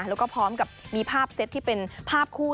แล้วก็พร้อมกับมีภาพเซตที่เป็นภาพคู่